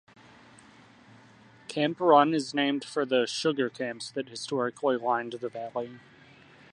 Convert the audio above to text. Camp Run is named for the "sugar camps" that historically lined the valley.